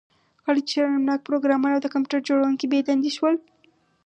کله چې شرمناک پروګرامر او د کمپیوټر جوړونکی بې دندې شول